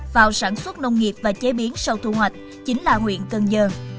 vào sản xuất nông nghiệp và chế biến sau thu hoạch chính là huyện cần giờ